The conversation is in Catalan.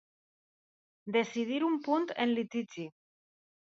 Decidir un punt en litigi.